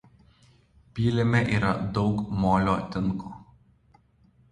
Pylime yra daug molio tinko.